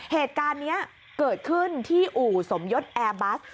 เหตุการณ์นี้เกิดขึ้นที่อู่สมยศแอร์บัส